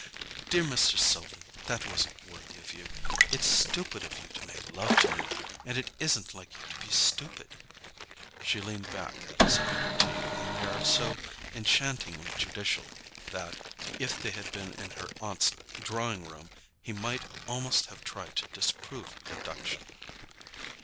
"Dear Mr. Selden, that wasn't worthy of you. It's stupid of you to make love to me, and it isn't like you to be stupid." She leaned back, sipping her tea with an air so enchantingly judicial that, if they had been in her aunt's drawing room, he might almost have tried to disprove her deduction.